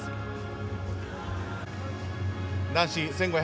男子１５００